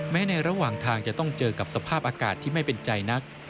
ในระหว่างทางจะต้องเจอกับสภาพอากาศที่ไม่เป็นใจนัก